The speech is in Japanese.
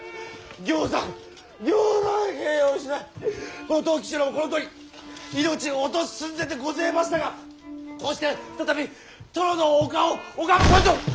ぎょうさんぎょうさん兵を失いこの藤吉郎もこのとおり命を落とす寸前でごぜましたがこうして再び殿のお顔を拝むこと！